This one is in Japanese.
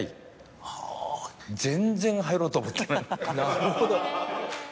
なるほど。